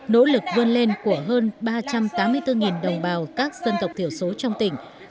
nỗ lực vươn lên của hơn ba trăm tám mươi bốn đồng bào các dân tộc thiểu số trong tỉnh